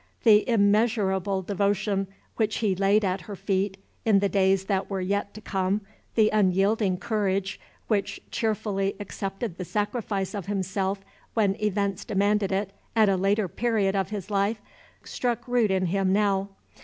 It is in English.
The immeasurable devotion which he laid at her feet, in the days that were yet to come the unyielding courage which cheerfully accepted the sacrifice of himself when events demanded it at a later period of his life struck root in him now.